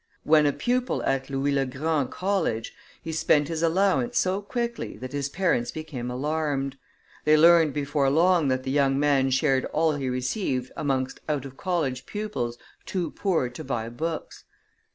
When a pupil at Louis le Grand college, he spent his allowance so quickly that his parents became alarmed; they learned before long that the young man shared all he received amongst out of college pupils too poor to buy books.